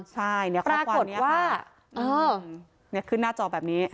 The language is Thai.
ใช่ข้อความนี้ค่ะนี่ขึ้นหน้าจอแบบนี้